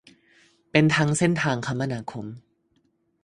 เป็นทั้งเส้นทางคมนาคม